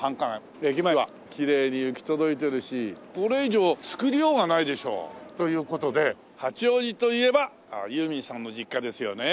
駅前はきれいに行き届いてるしこれ以上作りようがないでしょう。という事で八王子といえばユーミンさんの実家ですよね。